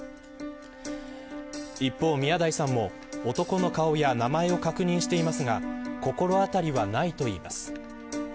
一方、宮台さんも男の顔や名前を確認していますが心当たりはないといいます。